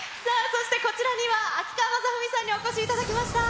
そしてこちらには秋川雅史さんにお越しいただきました。